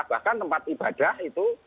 bahkan tempat ibadah itu